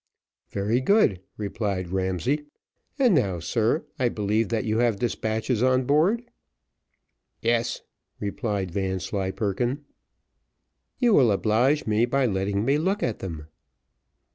"Very good," replied Ramsay; "and now, sir, I believe that you have despatches on board?" "Yes," replied Vanslyperken. "You will oblige me by letting me look at them."